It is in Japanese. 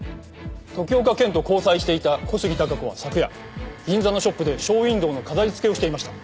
時岡賢と交際していた小杉貴子は昨夜銀座のショップでショーウィンドーの飾り付けをしていました。